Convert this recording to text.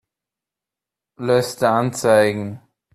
Liste anzeigen.